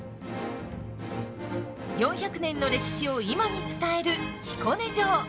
４００年の歴史を今に伝える彦根城。